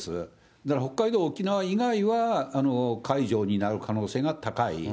だから北海道、沖縄以外は解除になる可能性が高い。